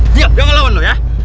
diam jangan lawan lo ya